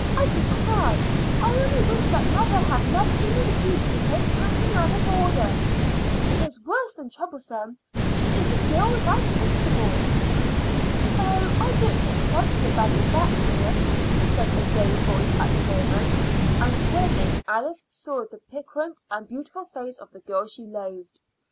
I could cry. I only wish that mother had never been induced to take Kathleen as a boarder. She is worse than troublesome; she is a girl without principle." "Oh, I don't think quite so bad as that, dear," said a gay voice at that moment; and turning, Alice saw the piquant and beautiful face of the girl she loathed.